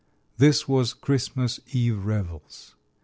This was "Christmas Eve Revels."